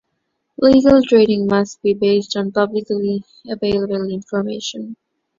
Legal trading must be based on publicly available information.